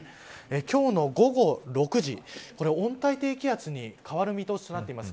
今日の午後６時温帯低気圧に変わる見通しになっています。